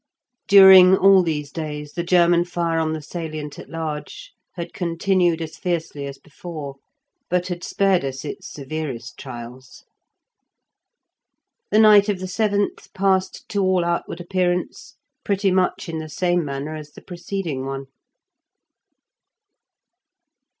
During all these days the German fire on the salient at large had continued as fiercely as before but had spared us its severest trials. The night of the seventh passed to all outward appearance pretty much in the same manner as the preceding one.